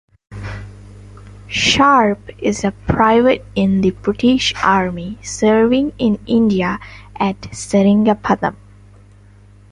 Sharpe is a private in the British army serving in India at Seringapatam.